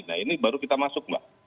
nah ini baru kita masuk mbak